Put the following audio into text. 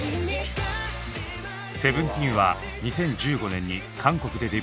ＳＥＶＥＮＴＥＥＮは２０１５年に韓国でデビュー。